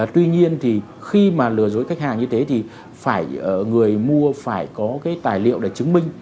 tuy nhiên thì khi mà lừa dối khách hàng như thế thì người mua phải có cái tài liệu để chứng minh